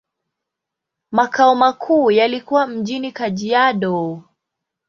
Makao makuu yalikuwa mjini Kajiado.